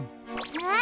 えっ？